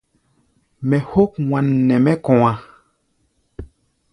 Mɛ hók wan nɛ mɛ́ kɔ̧á̧.